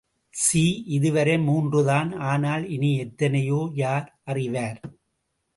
C இதுவரை மூன்றுதான், ஆனால் இனி எத்தனையோ, யார் அறிவார்?